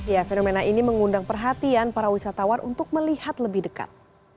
ya fenomena ini mengundang perhatian para wisatawan untuk melihat lebih dekat